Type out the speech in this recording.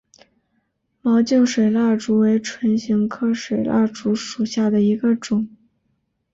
毛茎水蜡烛为唇形科水蜡烛属下的一个种。